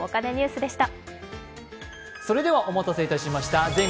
それでは、お待たせしました「全国！